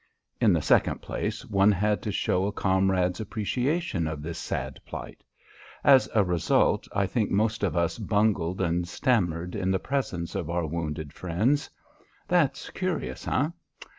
In the second place, one had to show a comrade's appreciation of this sad plight. As a result I think most of us bungled and stammered in the presence of our wounded friends. That's curious, eh?